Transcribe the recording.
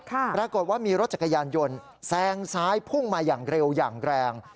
ปรากฏว่ามีรถจักรยานยนต์แซงซ้ายพุ่งมาอย่างเร็วอย่างแรง